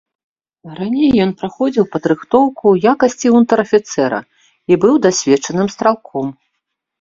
Раней ён праходзіў падрыхтоўку ў якасці унтэр-афіцэра і быў дасведчаным стралком.